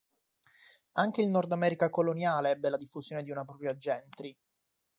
Anche il Nord America coloniale ebbe la diffusione di una propria "gentry".